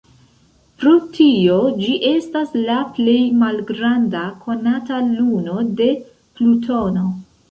Pro tio, ĝi estas la plej malgranda konata luno de Plutono.